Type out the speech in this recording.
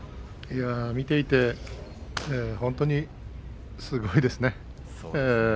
見ていて本当にすごいですね。